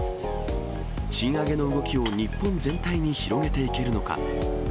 賃上げの動きを日本全体に広げていけるのか。